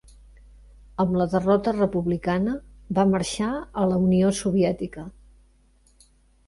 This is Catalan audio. Amb la derrota republicana, va marxar a la Unió Soviètica.